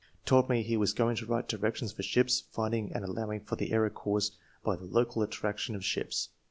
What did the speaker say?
told me he was going to write directions for ships, finding and allowing for the error caused by the local attraction of ships.